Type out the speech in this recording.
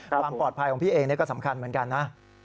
ความปลอดภัยของพี่เองก็สำคัญเหมือนกันนะ